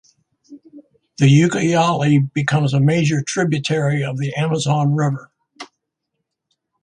The Ucayali becomes a major tributary of the Amazon River.